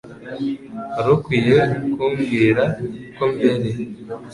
Wari ukwiye kumbwira ko mbere.